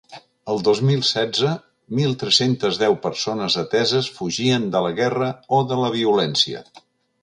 El dos mil setze, mil tres-centes deu persones ateses fugien de la guerra o de la violència.